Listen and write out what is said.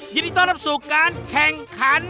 ยินดีต้อนรับสู่การแข่งขัน